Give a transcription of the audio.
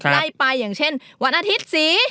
ไล่ไปอย่างเช่นวันอาทิตย์สี